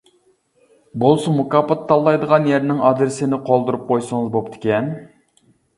بولسا مۇكاپات تاللايدىغان يەرنىڭ ئادرېسىنى قالدۇرۇپ قويسىڭىز بوپتىكەن.